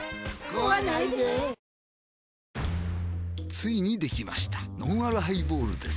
ついにできましたのんあるハイボールです